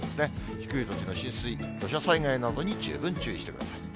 低い土地の浸水、土砂災害などに十分注意してください。